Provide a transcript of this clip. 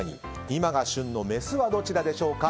今が旬のメスはどちらでしょうか。